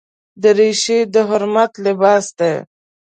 دریشي د حرمت لباس دی.